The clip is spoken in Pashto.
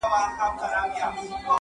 • يار ليدلي بيګا خوب کي پيمانې دي,